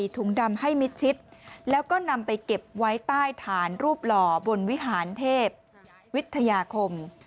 ถุงดำให้มิดชิดแล้วก็นำไปเก็บไว้ใต้ฐานรูปหล่อบนวิหารเทพวิทยาคม